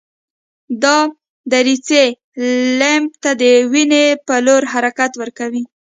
دا دریڅې لمف ته د وینې په لوري حرکت ورکوي.